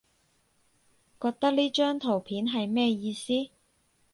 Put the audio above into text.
覺得呢張圖片係咩意思？